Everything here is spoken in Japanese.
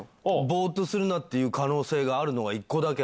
「ボーッとするな」って言う可能性があるのが１個だけ。